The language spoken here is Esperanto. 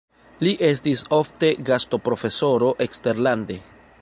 Li estis ofte gastoprofesoro eksterlande.